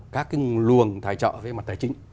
các cái luồng tài trợ về mặt tài chính